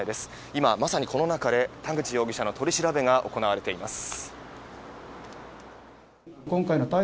今まさに、この中で田口容疑者の取り調べが行われています。